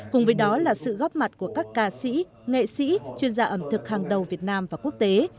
cùng với đó là sự góp mặt của các ca sĩ nghệ sĩ chuyên gia ẩm thực hàng đầu việt nam và quốc tế